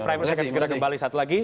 prime sekretaris kita kembali lagi